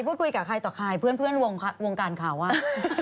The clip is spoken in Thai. พูดคุยกับใครต่อใครเพื่อนวงการข่าวว่า